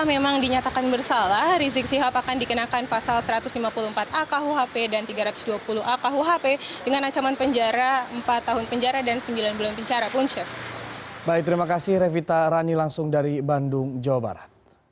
kemudian juga telah dikumpulkan beberapa saksi dan dikumpulkan keterangan termasuk lima saksi yang diduga memiliki unsur penghinaan terhadap pancasila